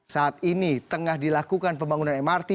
saat ini tengah dilakukan pembangunan mrt